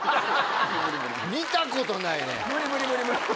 見たことないね！